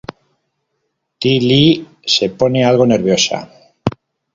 Ty Lee se pone algo nerviosa.